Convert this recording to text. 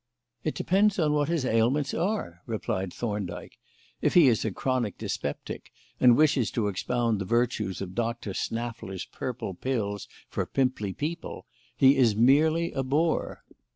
"It depends on what his ailments are," replied Thorndyke. "If he is a chronic dyspeptic and wishes to expound the virtues of Doctor Snaffler's Purple Pills for Pimply People, he is merely a bore.